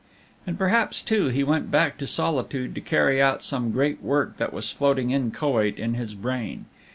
And perhaps, too, he went back to solitude to carry out some great work that was floating inchoate in his brain.